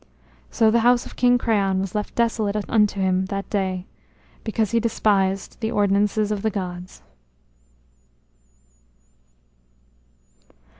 So the house of King Creon was left desolate unto him that day, because he despised the ordinances of the gods.